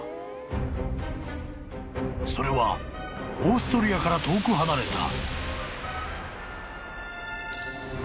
［それはオーストリアから遠く離れた］